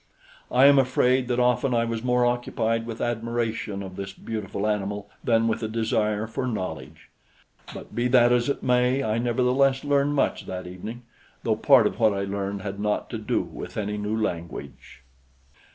I am afraid that often I was more occupied with admiration of this beautiful animal than with a desire for knowledge; but be that as it may, I nevertheless learned much that evening, though part of what I learned had naught to do with any new language.